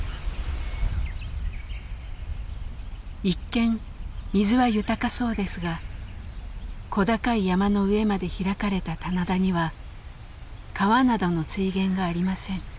一見水は豊かそうですが小高い山の上まで開かれた棚田には川などの水源がありません。